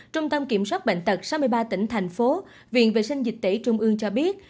trung tâm kiểm soát bệnh tật sáu mươi ba tỉnh thành phố viện vệ sinh dịch tễ trung ương cho biết